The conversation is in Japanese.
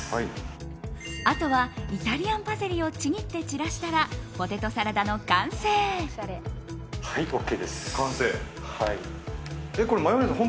あとは、イタリアンパセリをちぎって散らしたらポテトサラダの完成。